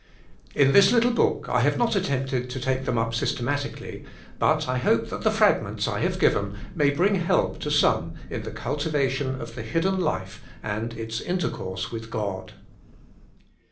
In this little book I have not attempted to take them up systematically, but I hope that the fragments I have given may bring help to some in the cultivation of the hidden life and its inter course with God.